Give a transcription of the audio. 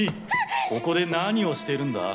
ここで何をしているんだ！？